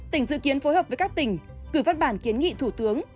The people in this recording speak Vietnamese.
tỉnh dự kiến phối hợp với các tỉnh gửi văn bản kiến nghị thủ tướng